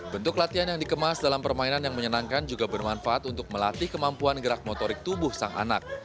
bentuk latihan yang dikemas dalam permainan yang menyenangkan juga bermanfaat untuk melatih kemampuan gerak motorik tubuh sang anak